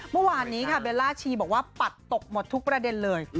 เมื่อวานนี้ค่ะเบลล่าชีบอกว่าปัดตกหมดทุกประเด็นเลย